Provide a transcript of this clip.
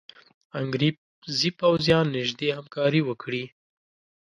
انګرېزي پوځیان نیژدې همکاري وکړي.